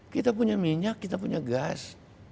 kita punya minyak kita punya gas